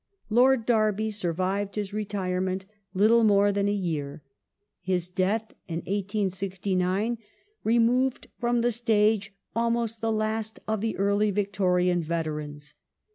Death of Lord Derby survived his retirement little more than a year. J^J^J^ His death in 1869 removed from the stage almost the last of the early Victorian veterans.